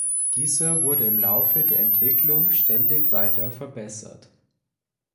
Dieser wurde im Laufe der Entwicklung ständig weiter verbessert.